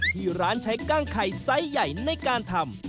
ที่ร้านใช้กล้างไข่ไซส์ใหญ่ในการทำ